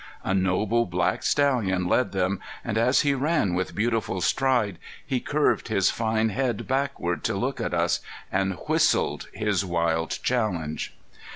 A noble black stallion led them, and as he ran with beautiful stride he curved his fine head backward to look at us, and whistled his wild challenge.